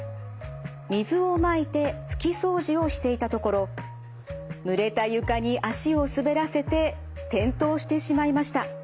水をまいて拭き掃除をしていたところぬれた床に足を滑らせて転倒してしまいました。